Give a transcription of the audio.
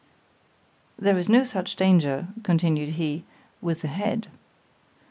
——There is no such danger, continued he, with the head.